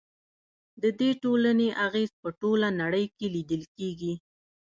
د دې ټولنې اغیز په ټوله نړۍ کې لیدل کیږي.